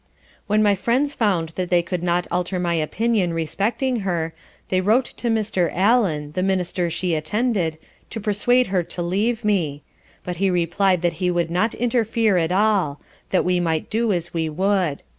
When my friends found that they could not alter my opinion respecting her, they wrote to Mr. Allen, the Minister she attended, to persuade her to leave me; but he replied that he would not interfere at all, that we might do as we would.